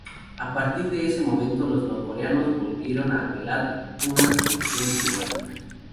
A partir de ese momento, los norcoreanos volvieron a apelar a una solución diplomática.